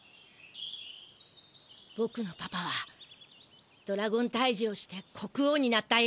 ぼくのパパはドラゴンたいじをして国王になったえ